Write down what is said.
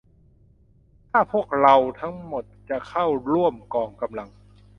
ถ้าพวกเราทั้งหมดจะเข้าร่วมกองกำลัง